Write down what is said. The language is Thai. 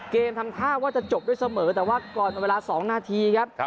ทำท่าว่าจะจบด้วยเสมอแต่ว่าก่อนเวลา๒นาทีครับ